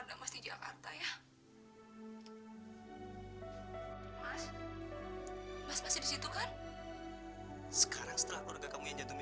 sampai jumpa di video selanjutnya